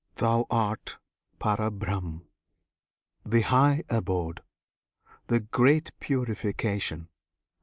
Thou art Parabrahm! The High Abode! The Great Purification!